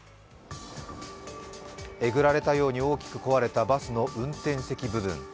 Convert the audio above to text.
えぐられたように大きく壊れたバスの運転席部分。